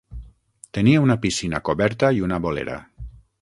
Tenia una piscina coberta i una bolera.